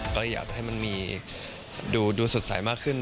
ก็อยากให้มันมีดูสดใสมากขึ้น